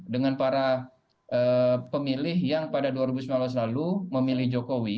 dengan para pemilih yang pada dua ribu sembilan belas lalu memilih jokowi